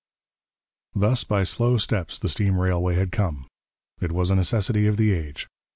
Thus by slow steps the steam railway had come. It was a necessity of the age.